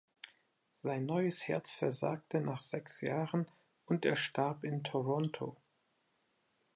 Sein neues Herz versagte nach sechs Jahren, und er starb in Toronto.